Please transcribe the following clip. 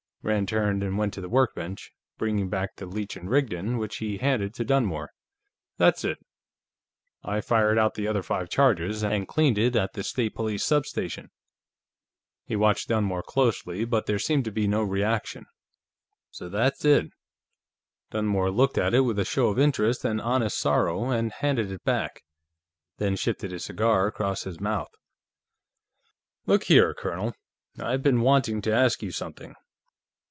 Rand turned and went to the workbench, bringing back the Leech & Rigdon, which he handed to Dunmore. "That's it. I fired out the other five charges, and cleaned it at the State Police substation." He watched Dunmore closely, but there seemed to be no reaction. "So that's it." Dunmore looked at it with a show of interest and honest sorrow, and handed it back, then shifted his cigar across his mouth. "Look here, Colonel; I've been wanting to ask you something.